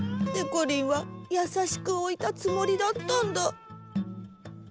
でこりんはやさしくおいたつもりだったんだ。